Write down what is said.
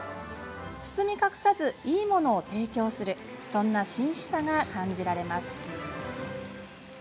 包み隠さずいいものを提供するそんな真摯さが感じられます。